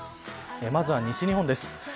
まずは西日本です。